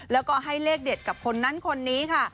แล้วก็ให้เลขเด็ดกับคนนั้นคนนี้ค่ะ